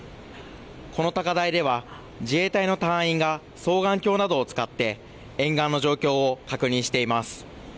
この高台では自衛隊の隊員が双眼鏡などを使って沿岸の状況を確認しています。